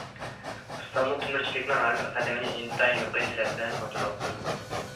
ئۇستاممۇ تۆمۈرچىلىكنىڭ ھەر بىر قەدىمىنى ئىنتايىن يۇقىرى تەلەپ بىلەن كونترول قىلىدۇ.